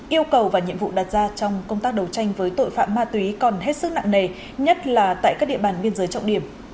yêu cầu và nhiệm vụ đặt ra trong công tác đấu tranh với tội phạm ma túy còn hết sức nặng nề nhất là tại các địa bàn biên giới trọng điểm